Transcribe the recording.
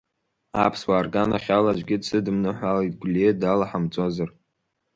Аԥсуаа рганахьала аӡәгьы дсыдымныҳәалеит, Гәлиа далаҳамҵозар.